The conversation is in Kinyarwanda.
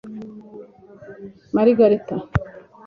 Margherita